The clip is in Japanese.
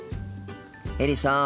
エリさん。